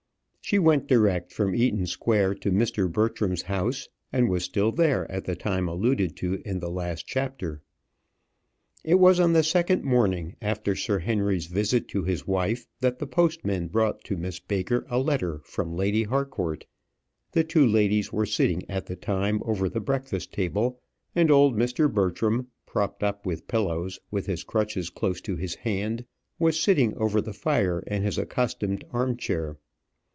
She went direct from Eaton Square to Mr. Bertram's house; and was still there at the time alluded to in the last chapter. It was on the second morning after Sir Henry's visit to his wife that the postman brought to Miss Baker a letter from Lady Harcourt. The two ladies were sitting at the time over the breakfast table, and old Mr. Bertram, propped up with pillows, with his crutches close to his hand, was sitting over the fire in his accustomed arm chair.